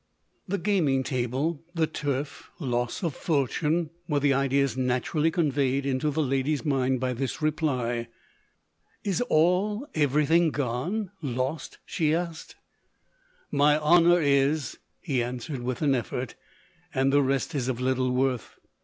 The gaming table, the turf, loss of fortune, were the ideas naturally conveyed into the lady's mind by this reply. " Is all — every thing gone — lost ?" she asked. 11 My honour is, 11 he answered, with an effort. " and the rest is of little worth."